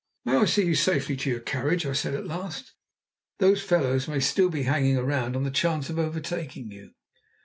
"May I see you safely to your carriage?" I said at last. "Those fellows may still be hanging about on the chance of overtaking you."